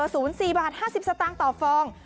๐๔บาท๕๐สตางค์ต่อฟอง